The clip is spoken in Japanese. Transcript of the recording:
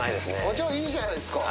じゃあ、いいじゃないですか。